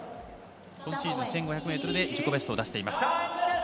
今シーズン１５００ｍで自己ベストを出しています。